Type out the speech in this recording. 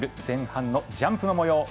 前半のジャンプの模様